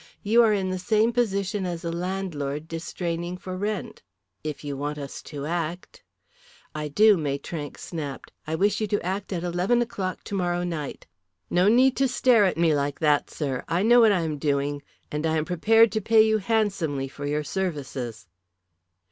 You are in the same position as a landlord distraining for rent. If you want us to act " "I do," Maitrank snapped. "I wish you to act at eleven o'clock tomorrow night. No need to stare at me like that, sir. I know what I am doing. And I am prepared to pay you handsomely for your services."